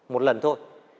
một lần thôi